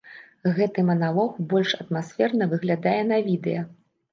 Гэты маналог больш атмасферна выглядае на відэа.